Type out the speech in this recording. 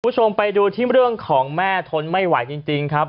คุณผู้ชมไปดูที่เรื่องของแม่ทนไม่ไหวจริงครับ